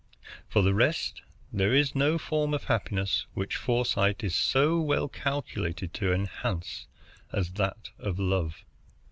For the rest, there is no form of happiness which foresight is so well calculated to enhance as that of love.